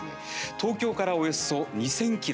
東京からおよそ２０００ｋｍ。